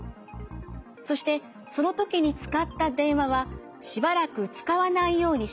そしてその時に使った電話はしばらく使わないようにします。